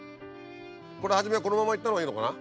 初めはこのままいった方がいいのかな？